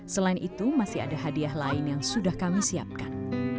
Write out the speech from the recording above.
selain itu masih ada hadiah lain yang sudah kami siapkan